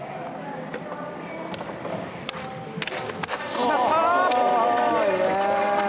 決まった。